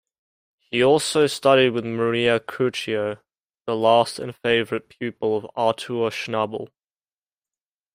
He also studied with Maria Curcio, the last and favourite pupil of Artur Schnabel.